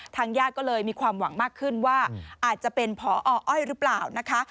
ญาติก็เลยมีความหวังมากขึ้นว่าอาจจะเป็นพออ้อยหรือเปล่านะคะ